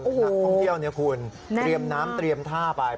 นักท่องเที่ยวเนี่ยคุณเตรียมน้ำเตรียมท่าไป